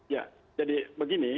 ya jadi begini